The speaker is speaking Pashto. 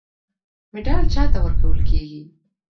مډال چا ته ورکول کیږي؟